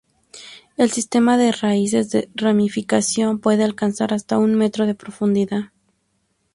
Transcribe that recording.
El sistema de raíces de ramificación puede alcanzar hasta un metro de profundidad.